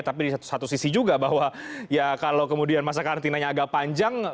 tapi di satu sisi juga bahwa ya kalau kemudian masa karantinanya agak panjang